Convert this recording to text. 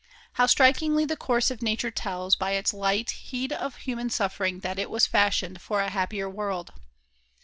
"How strikingly the course of Nature tells by its light heed of human suffering that it was fashioned for a happier world!"